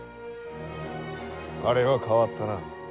あれは変わったな。